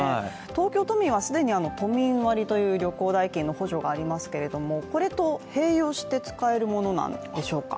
東京都民は既に都民割という旅行代金の補助がありますけれどもこれと併用して使えるものなんでしょうか？